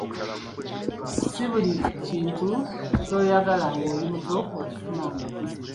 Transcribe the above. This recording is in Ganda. Ssi buli kintu ky'oyagala ng'oli muto okifuna ng'okuze.